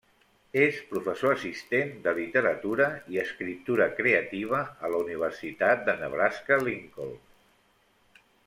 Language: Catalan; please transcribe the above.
És professor assistent de literatura i escriptura creativa a la Universitat de Nebraska–Lincoln.